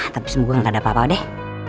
tapi semoga nggak ada apa apa deh